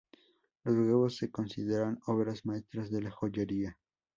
Los huevos se consideran obras maestras de la joyería.